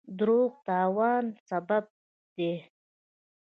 دروغ د تاوان سبب دی.